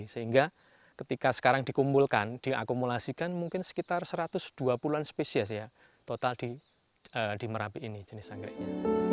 sehingga ketika sekarang dikumpulkan diakumulasikan mungkin sekitar satu ratus dua puluh an spesies ya total di merapi ini jenis anggreknya